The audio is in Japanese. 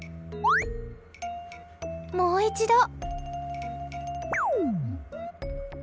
もう一度。